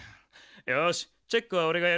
よしチェックはおれがやる。